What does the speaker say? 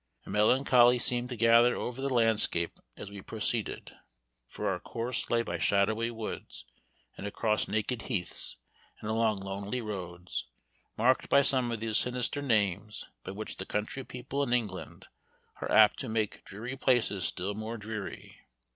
A melancholy seemed to gather over the landscape as we proceeded, for our course lay by shadowy woods, and across naked heaths, and along lonely roads, marked by some of those sinister names by which the country people in England are apt to make dreary places still more dreary.